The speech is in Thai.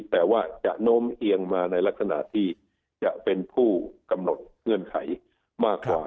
แต่ว่าจะโน้มเอียงมาในลักษณะที่จะเป็นผู้กำหนดเงื่อนไขมากกว่า